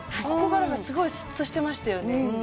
ここからがすごいすっとしてましたよね